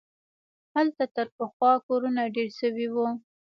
هلته تر پخوا کورونه ډېر سوي وو.